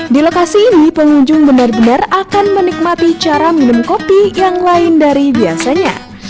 di lokasi ini pengunjung benar benar akan menikmati cara minum kopi yang lain dari biasanya